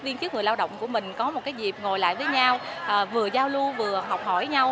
viên chức người lao động của mình có một cái dịp ngồi lại với nhau vừa giao lưu vừa học hỏi nhau